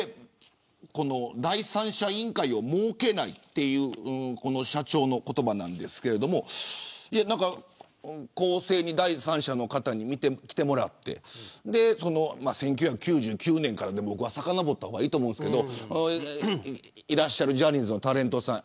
この第三者委員会を設けないという社長の言葉なんですが公正に第三者の方に来てもらって１９９９年からさかのぼった方がいいと思うんですけどいらっしゃるジャニーズのタレントさん